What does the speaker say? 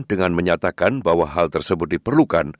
dengan menyatakan bahwa hal tersebut diperlukan